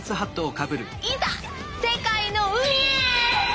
いざ世界の海へ！